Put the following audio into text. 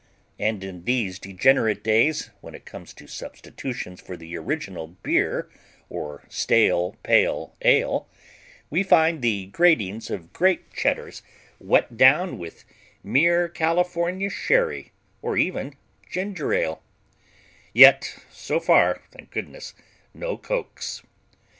And, in these degenerate days, when it comes to substitutions for the original beer or stale pale ale, we find the gratings of great Cheddars wet down with mere California sherry or even ginger ale yet so far, thank goodness, no Cokes.